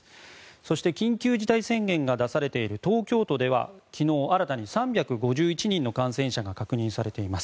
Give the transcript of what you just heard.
そして、緊急事態宣言が出されている東京都では昨日、新たに３５１人の感染者が確認されています。